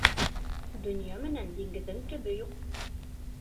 Донъя менән диңгеҙҙең төбө юҡ.